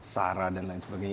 sarah dan lain sebagainya